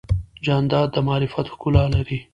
جانداد د معرفت ښکلا لري.